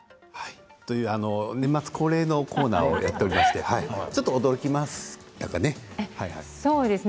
年末恒例のコーナーをやっておりましてちょっと驚きましたかね？